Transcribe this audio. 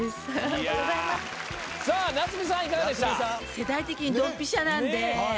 世代的にドンピシャなんで。